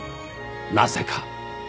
なぜか？